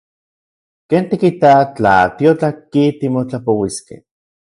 ¿Ken tikita tla tiotlatki timotlapouiskej?